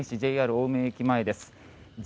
ＪＲ青梅駅前です。